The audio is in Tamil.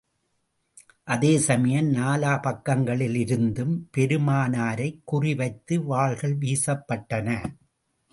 அதே சமயம் நாலா பக்கங்களிலிருந்தும் பெருமானாரைக் குறி வைத்து வாள்கள் வீசப்பட்டன.